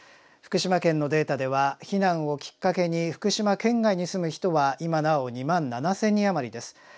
福島県のデータでは避難をきっかけに福島県外に住む人は今なお２万７，０００人余りです。